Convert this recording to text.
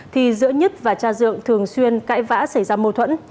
thì giữa nhất và cha dượng thường xuyên cãi vã xảy ra mâu thuẫn